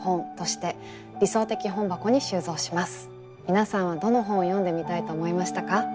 皆さんはどの本を読んでみたいと思いましたか？